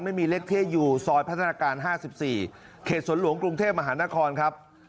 ไม่มีเลขที่อยู่ซอยพัฒนาการ๕๔เขตสวนหลวงกรุงเทพมหานครครับ